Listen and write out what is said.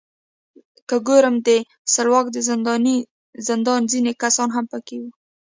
که ګورم د سلواک د زندان ځینې کسان هم پکې وو.